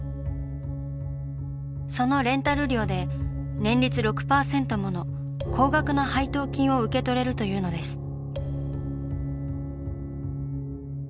そのレンタル料で年率６％もの高額な配当金を受け取れるというのです。